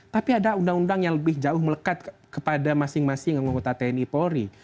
tapi ada undang undang yang lebih jauh melekat kepada masing masing anggota tni polri